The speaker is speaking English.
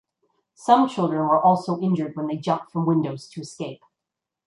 Some children were also injured when they jumped from windows to escape.